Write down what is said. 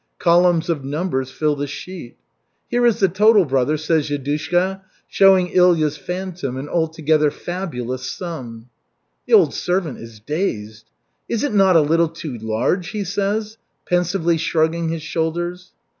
Columns of numbers fill the sheet. "Here is the total, brother," says Yudushka, showing Ilya's phantom an altogether fabulous sum. The old servant is dazed. "Is it not a little too large?" he says, pensively shrugging his shoulders.